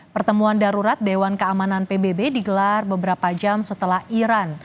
pertemuan darurat dewan keamanan pbb digelar beberapa jam setelah iran